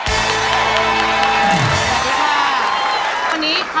สวัสดีค่ะ